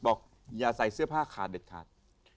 อย่าใส่เสื้อผ้าขาดเด็ดขาด